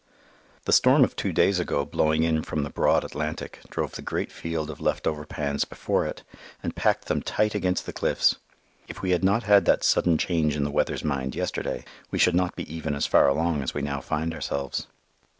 The storm of two days ago blowing in from the broad Atlantic drove the great field of leftover pans before it, and packed them tight against the cliffs. If we had not had that sudden change in the weather's mind yesterday, we should not be even as far along as we now find ourselves.